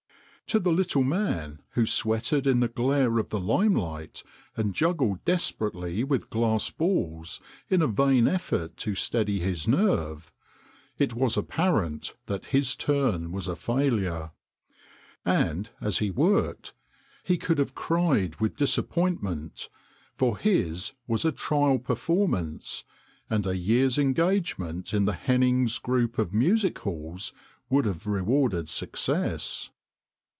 To the little man who sweated in the glare of the limelight and juggled desperately with glass balls in a vain effort to steady his nerve it was apparent that his turn was a failure. And as he worked he could have cried with disappointment, for his was a trial performance, and a year's engage ment in the Hennings' group of music halls would have rewarded success.